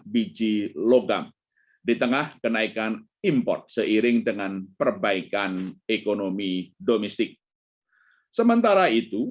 biji logam di tengah kenaikan import seiring dengan perbaikan ekonomi domestik sementara itu